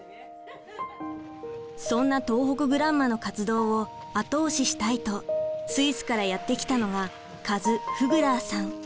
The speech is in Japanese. そんな東北グランマの活動を後押ししたいとスイスからやって来たのがカズ・フグラーさん。